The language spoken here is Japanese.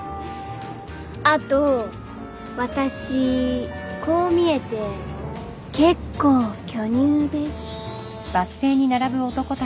あと私こう見えて結構巨乳です